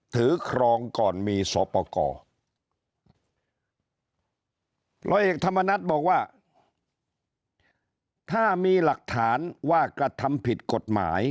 ถือครองก่อนมีสอปกรรัฐธรรมนัฏบอกว่าถ้ามีหลักฐานว่ากระทำผิดกฎหมาย